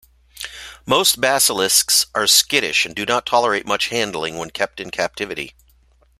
Most basilisks are skittish, and do not tolerate much handling when kept in captivity.